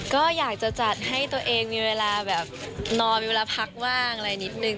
ก็อยากจะจัดให้ตัวเองมีเวลาแบบนอนมีเวลาพักบ้างอะไรนิดนึง